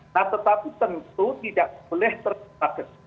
nah tetapi tentu tidak boleh terpakati